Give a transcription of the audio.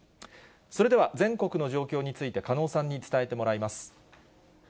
それでは全国の状況について加納さんに伝えてもらいます。